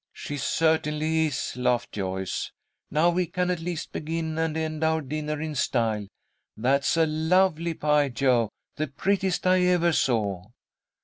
"She certainly is," laughed Joyce. "Now we can at least begin and end our dinner in style. That's a lovely pie, Jo; the prettiest I ever saw."